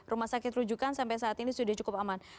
rumah sakit rujukan sampai saat ini sudah cukup aman